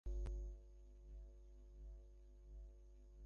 এ ছাড়া অবস্থান কর্মসূচির স্থান পরিবর্তন করা হলেও সময় অপরিবর্তিত থাকবে।